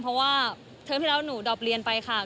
เพราะว่าเทอมที่แล้วหนูดอบเรียนไปค่ะ